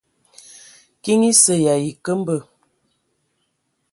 Kiŋ esə y ayi nkəmbə.